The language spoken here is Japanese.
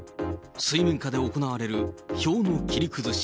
水面下で行われる票の切り崩し。